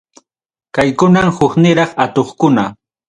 Kaykunam hukniraq atuqkuna.